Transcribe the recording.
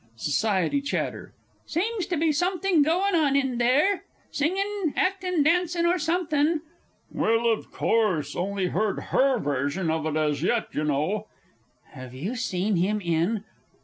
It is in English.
_ SOCIETY CHATTER. Seems to be somethin' goin' on in there singin', actin', dancin', or somethin'.... Well, of course, only heard her version of it as yet, y' know.... Have you seen him in